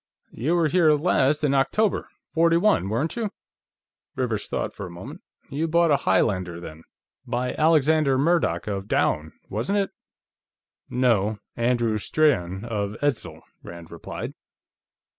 "You were here last in October, '41, weren't you?" Rivers thought for a moment. "You bought a Highlander, then. By Alexander Murdoch, of Doune, wasn't it?" "No; Andrew Strahan, of Edzel," Rand replied.